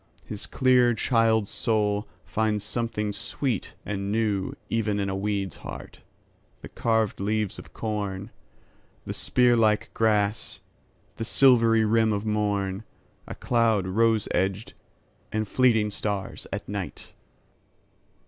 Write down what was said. His clear child's soul finds something sweet and newEven in a weed's heart, the carved leaves of corn, The spear like grass, the silvery rim of morn,A cloud rose edged, and fleeting stars at night!